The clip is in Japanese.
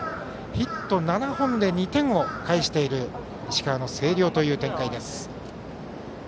ヒット７本で２点を返している石川の星稜という展開です。